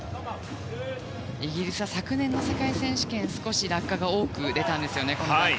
イギリスは昨年の世界選手権落下が多く出たんですね。